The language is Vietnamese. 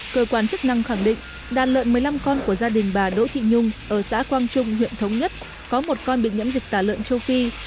cơ quan chức năng khẳng định đàn lợn một mươi năm con của gia đình bà đỗ thị nhung ở xã quang trung huyện thống nhất có một con bị nhiễm dịch tả lợn châu phi